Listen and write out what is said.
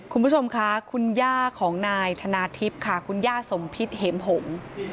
คุณผู้ชมค่ะคุณย่าของนายธนาทิพย์ค่ะคุณย่าสมพิษเห็มหง